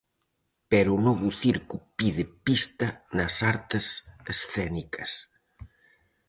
Pero o novo circo pide pista nas Artes Escénicas.